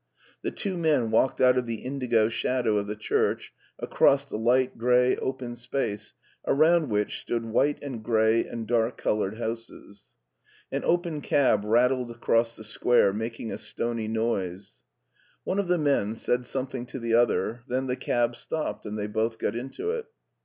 The two men walked out of the indigo shadow of the church across the light gray open space, around which stood white and gray and dark colored houses. An open cab rattled across the square, making a stony noise. One of the men said something to the other, then the cab stopped and they both got in it.